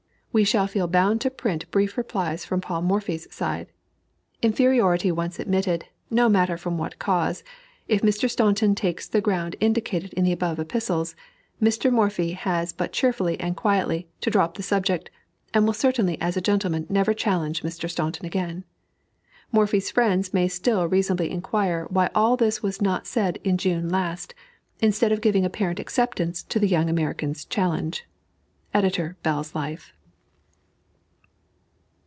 We shall feel bound to print brief replies from Paul Morphy's side. Inferiority once admitted, no matter from what cause, if Mr. Staunton takes the ground indicated in the above epistles, Mr. Morphy has but cheerfully and quietly to drop the subject, and will certainly as a gentleman never challenge Mr. Staunton again. Morphy's friends may still reasonably inquire why all this was not said in June last, instead of giving apparent acceptance to the young American's challenge. EDITOR BELL'S LIFE.